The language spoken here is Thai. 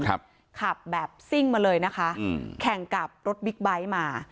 ขับแบบซิ่งมาเลยนะคะอืมแข่งกับรถบิ๊กไบท์มา